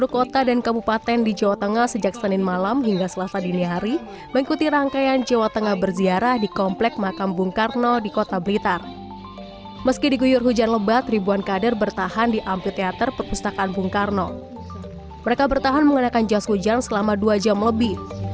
satu tiga ratus lima puluh dua kader pdip jawa tengah menggelar acara jawa tengah berziarah ke makam founding father bung karno di blitar jawa timur selasa dini hari